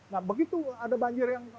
nah begitu ada banjir yang